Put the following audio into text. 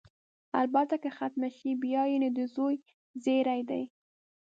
البته که ختمه شي، بیا نو د زوی زېری دی.